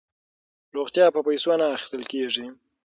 روغتیا په پیسو نه اخیستل کیږي.